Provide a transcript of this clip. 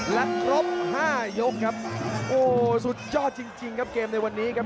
และครบห้ายกครับโอ้โหสุดยอดจริงครับเกมในวันนี้ครับ